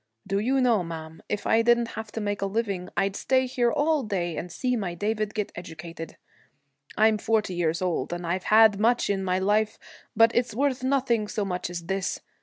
'Do you know, ma'am, if I didn't have to make a living, I'd like to stay here all day and see my David get educated. I'm forty years old, and I've had much in my life, but it's worth nothing so much as this.